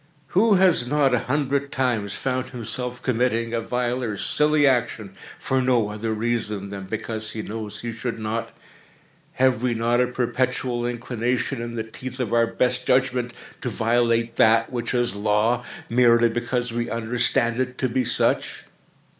Who has not, a hundred times, found himself committing a vile or a silly action, for no other reason than because he knows he should not? Have we not a perpetual inclination, in the teeth of our best judgment, to violate that which is Law, merely because we understand it to be such?